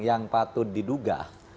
yang patut diduga